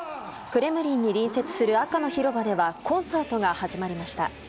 クレムリンに隣接する赤の広場ではコンサートが始まりました。